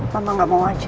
mama gak mau aja